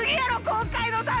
今回の旅。